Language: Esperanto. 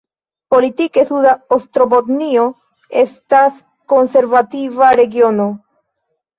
Politike Suda Ostrobotnio estas konservativa regiono.